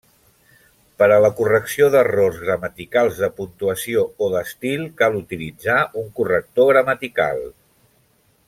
Per a la correcció d'errors gramaticals, de puntuació o d'estil, cal utilitzar un corrector gramatical.